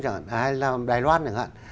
hay là đài loan